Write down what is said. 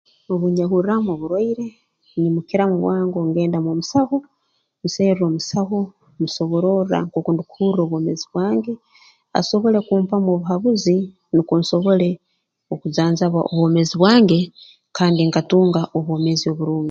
Obu nyehurraamu oburwaire nyimukiramu bwango ngenda mw'omusaho nserra omusaho musobororra nkooku ndukuhurra bwomeezi bwange asobole kumpamu obuhabuzi nukwo nsobole okunjanjabwa obwomeezi bwange kandi nkatunga obwomeezi oburungi